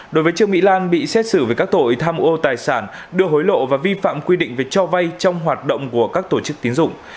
đối với trương mỹ lan bị xét xử về các tội tham ô tài sản đưa hối lộ và vi phạm quy định về cho vay trong hoạt động của các tổ chức tiến dụng